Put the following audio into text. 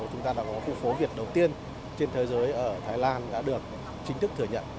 chúng ta đã có khu phố việt đầu tiên trên thế giới ở thái lan đã được chính thức thừa nhận